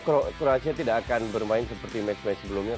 croatia tidak akan bermain seperti match match sebelumnya